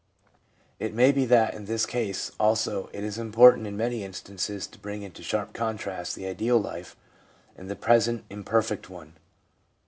It may be that in this case also it is important in many instances to bring into sharp contrast the ideal life and the present imperfect one.